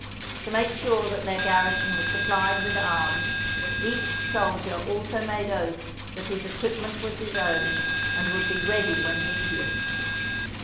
To make sure that their garrison was supplied with arms, each soldier also made oath that his equipment was his own and would be ready when needed.